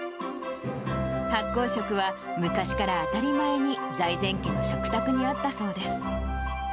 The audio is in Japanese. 発酵食は、昔から当たり前に財前家の食卓にあったそうです。